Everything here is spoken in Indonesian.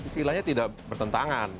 silanya tidak bertentangan